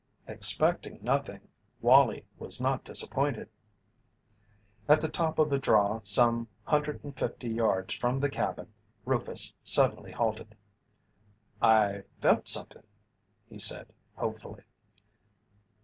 Expecting nothing, Wallie was not disappointed. At the top of a draw some hundred and fifty yards from the cabin Rufus suddenly halted. "I felt somethin'," he said, hopefully.